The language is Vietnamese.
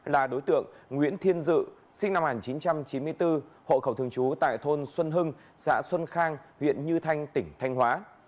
là đối tượng nguyễn thiên dự sinh năm một nghìn chín trăm chín mươi bốn hộ khẩu thường trú tại thôn xuân hưng xã xuân khang huyện như thanh tỉnh thanh hóa